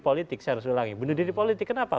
politik saya harus ulangi bunuh diri politik kenapa